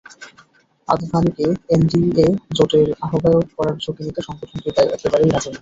আদভানিকে NDA জোটের আহ্বায়ক করার ঝুঁকি নিতে সংগঠনটি তাই একেবারেই রাজি নয়।